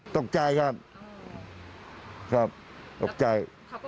ตกใจครับครับตกใจ